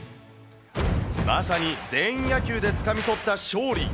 まさに全員野球でつかみ取った勝利。